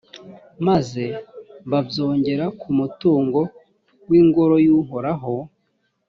maze babyongera ku mutungo w’ingoro y’uhoraho.